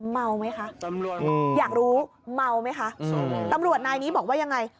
เมาไหมคะตำรวจอยากรู้เมาไหมคะตำรวจนายนี้บอกว่ายังไง